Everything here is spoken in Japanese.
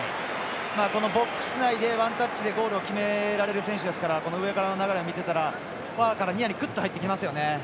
このボックス内でワンタッチでゴールを決められる選手ですから上からの流れを見てたらファーからニアにグッと入ってきますよね。